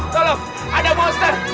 tolong ada monster